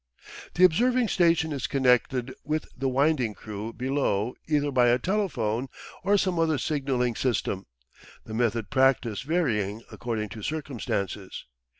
The observing station is connected with the winding crew below either by a telephone, or some other signalling system, the method practised varying according to circumstances.